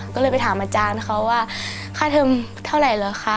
ก็เลยไปถามอาจารย์เขาว่าค่าเทิมเท่าไหร่เหรอคะ